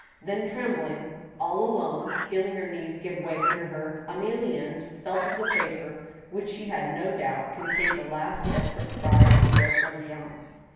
Then trembling, all alone, feeling her knees give way under her, Emilienne felt of the paper which she had no doubt contained the last desperate cry of despair from Jean.